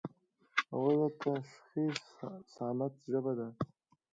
غول د تشخیص صامت ژبه ده.